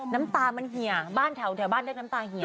น้ำตามันเหี่ยบ้านแถวบ้านเรียกน้ำตาเหี่ย